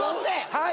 はい！